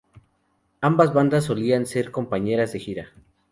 Ambas bandas solían ser compañeras de gira.